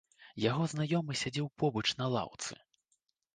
Яго знаёмы сядзеў побач на лаўцы.